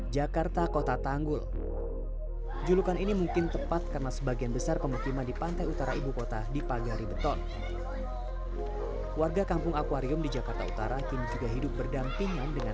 jangan lupa like share dan subscribe channel ini